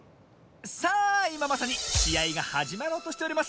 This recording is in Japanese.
さあいままさにしあいがはじまろうとしております。